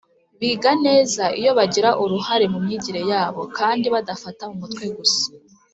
biga neza iyo bagira uruhare mu myigire yabo kandi badafata mu mutwe gusa